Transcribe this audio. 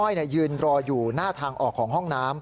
คือตอนนั้นคุณก้อยยืนรออยู่หน้าทางออกของห้องน้ำ